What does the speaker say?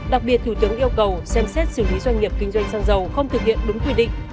đặc biệt thủ tướng yêu cầu xem xét xử lý doanh nghiệp kinh doanh xăng dầu không thực hiện đúng quy định